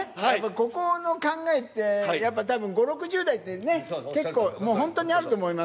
ここの考えって、やっぱたぶん５、６０代って、結構もう本当にあると思います。